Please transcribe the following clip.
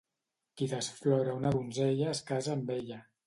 Qui desflora una donzella es casa amb ella.